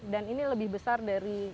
dan ini lebih besar dari